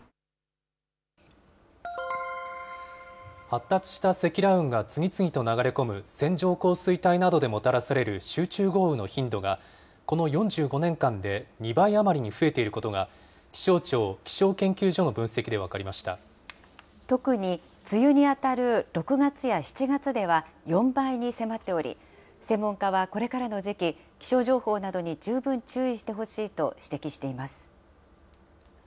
発達した積乱雲が次々と流れ込む、線状降水帯などでもたらされる集中豪雨の頻度が、この４５年間で、２倍余りに増えていることが、気象庁気象研究所の分析で分かりま特に梅雨に当たる６月や７月では４倍に迫っており、専門家は、これからの時期、気象情報などに十分注意してほしいと指摘しています。